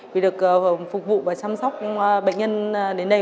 vì được phục vụ và chăm sóc bệnh nhân đến đây